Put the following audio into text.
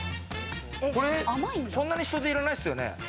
これ、そんなに人出いらないですよね？